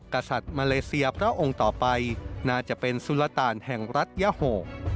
กษัตริย์มาเลเซียพระองค์ต่อไปน่าจะเป็นสุรตาลแห่งรัฐยาโห